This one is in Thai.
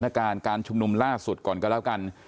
การการชุมนุมล่าสุดก่อนก็แล้วกัน